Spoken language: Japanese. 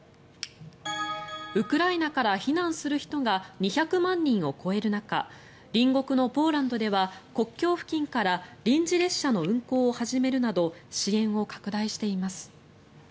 ウクライナから避難する人が２００万人を超える中隣国のポーランドでは国境付近から臨時列車の運行を始めるなど支援を拡大しています。